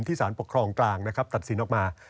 สารปกครองกลางนะครับตัดสินออกมา